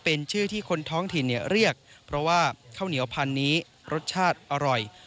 เป็นชื่อที่คนท้องถิ่นเรียกเพราะว่าข้าวเหนียวพันธุ์นี้รสชาติอร่อย